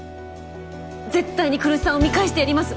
絶対に来栖さんを見返してやります。